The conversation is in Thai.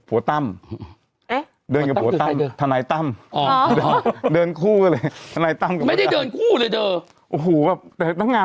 อ้านุ่มแต่งงานศพก็ไปเกือบหมดน่ะ